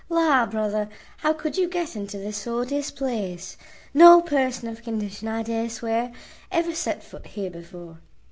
La, brother, how could you get into this odious place? no person of condition, I dare swear, ever set foot here before."